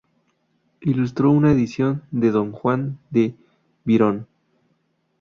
Ilustró una edición de "Don Juan" de Byron.